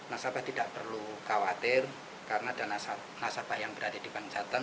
nasabah tidak perlu khawatir karena dana nasabah yang berada di bank jateng